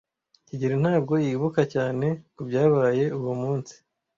kigeli ntabwo yibuka cyane kubyabaye uwo munsi.